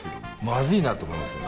まずいなと思いますよ。